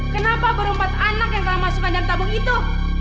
kenapa berompat anak yang telah masukkan dalam tabung itu